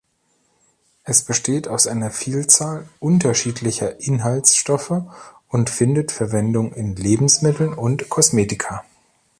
Es besteht aus einer Vielzahl unterschiedlicher Inhaltsstoffe und findet Verwendung in Lebensmitteln und Kosmetika.